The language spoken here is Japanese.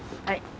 はい。